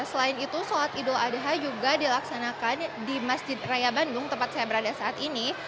selain itu sholat idul adha juga dilaksanakan di masjid raya bandung tempat saya berada saat ini